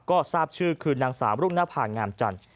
ก็ทราบชื่อคือนาง๓ลูกหน้าผ่างามจันทร์